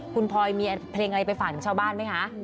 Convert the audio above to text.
คุณพลอยมีเพลงอะไรไปฝากถึงชาวบ้านไหมคะ